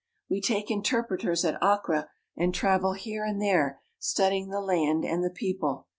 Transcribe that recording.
We take interpreters at Akkra and travel here and there, studying the land and the people.